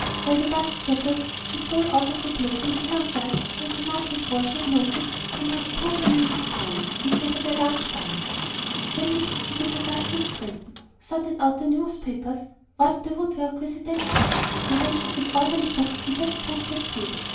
While the dust settled, she stole out to a place on the hillside where the night before she had noticed some mariposa lilies growing, and gathered a large bunch. Then she proceeded to dust and straighten, sorted out the newspapers, wiped the woodwork with a damp cloth, arranged the disorderly books, and set the breakfast table.